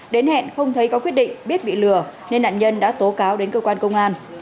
đến hẹn không thấy có quyết định biết bị lừa nên nạn nhân đã tố cáo đến cơ quan công an